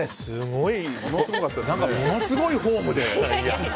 何か、ものすごいフォームで。